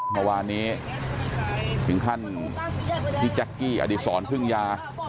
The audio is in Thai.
เมื่อวานนี้ถึงขั้นพี่แจ๊กกี้อดีศรพึ่งยา